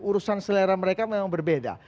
urusan selera mereka memang berbeda